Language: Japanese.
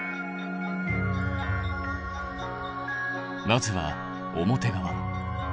まずは表側。